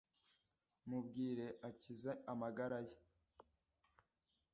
mubwire akize amagara ye